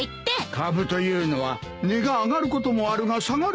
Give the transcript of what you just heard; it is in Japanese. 株というのは値が上がることもあるが下がることもあるんだぞ。